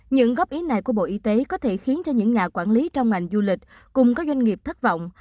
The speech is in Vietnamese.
những góp ý này của bộ y tế có thể khiến cho những nhà quản lý trong ngành du lịch cùng các doanh nghiệp thất vọng